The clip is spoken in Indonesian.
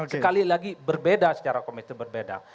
sekali lagi berbeda secara komite berbeda